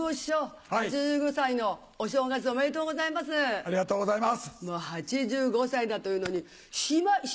ありがとうございます。